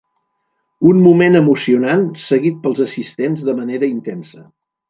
Un moment emocionant seguit pels assistents de manera intensa.